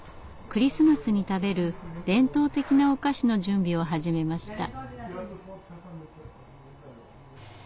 クリスマスに食べる伝統的なお菓子の準備を始めました。